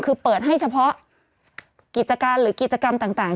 คือเปิดให้เฉพาะกิจการหรือกิจกรรมต่าง